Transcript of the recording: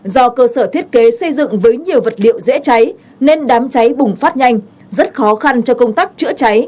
do cơ sở thiết kế xây dựng với nhiều vật liệu dễ cháy nên đám cháy bùng phát nhanh rất khó khăn cho công tác chữa cháy